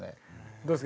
どうですか？